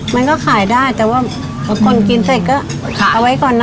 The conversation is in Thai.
มันก็ขายได้แต่ว่าบางคนกินเสร็จก็เอาไว้ก่อนนะ